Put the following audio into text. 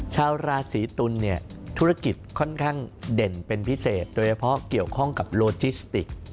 ชาวราศีตุลเนี่ยธุรกิจค่อนข้างเด่นเป็นพิเศษโดยเฉพาะเกี่ยวข้องกับโลจิสติก